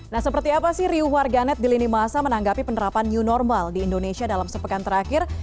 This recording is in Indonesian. nah seperti apa sih riuh warganet di lini masa menanggapi penerapan new normal di indonesia dalam sepekan terakhir